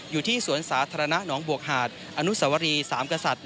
อยู่ที่สวนสาธารณะหนองบวกหาดอนุสวรีสามกษัตริย์